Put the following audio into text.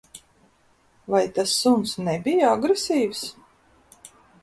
Vai tas suns nebija agresīvs?